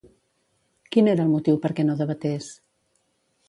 Quin era el motiu perquè no debatés?